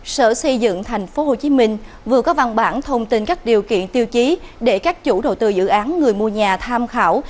sở xây dựng tp hcm vừa có văn bản thông tin các điều kiện tiêu chí để các chủ đầu tư dự án người mua nhà tham khảo